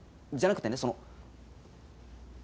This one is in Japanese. じゃなくてねその。